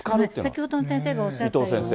先ほどの先生がおっしゃっていた。